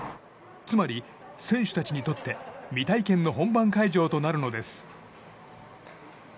つまり、選手たちにとって未体験の本番会場となるのです。